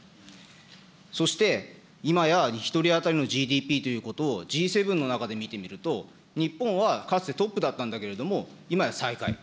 そして、今や１人当たりのＧＤＰということを、Ｇ７の中で見てみると、日本はかつてトップだったんだけれども、今や最下位。